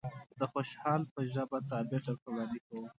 د خوشحال په ژبه تعبير درته وړاندې کوم.